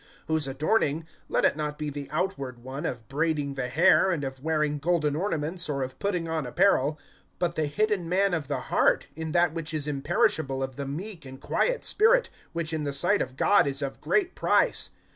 (3)Whose adorning, let it not be the outward one of braiding the hair, and of wearing golden ornaments, or of putting on apparel; (4)but the hidden man of the heart, in that which is imperishable of the meek and quiet spirit, which in the sight of God is of great price.